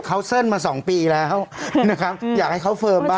เขาเซิลมาสองปีแล้วนะครับอยากให้เขาเฟิร์มบ้าง